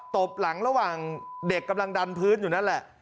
ตบหลังระหว่างเด็กกำลังดันพื้นอยู่นั่นแหละ